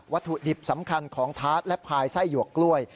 ถุดิบสำคัญของทาสและพายไส้หยวกกล้วย